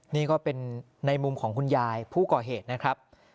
นี่ก็เป็นในมุมของคุณยายผู้ก่อเหตุนะครับ